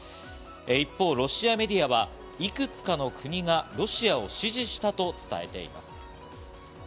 一方、ロシアメディアはいくつかの国がロシアを支持したと伝えています。